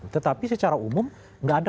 tetapi secara umum nggak ada